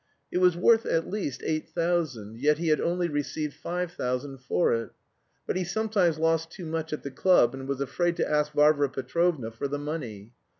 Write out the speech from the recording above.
It was worth at least eight thousand, yet he had only received five thousand for it. But he sometimes lost too much at the club, and was afraid to ask Varvara Petrovna for the money.